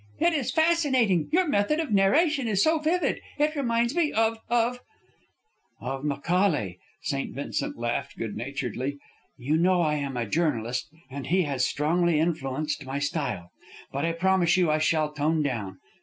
"It is fascinating! Your method of narration is so vivid! It reminds me of of " "Of Macaulay," St. Vincent laughed, good naturedly. "You know I am a journalist, and he has strongly influenced my style. But I promise you I shall tone down.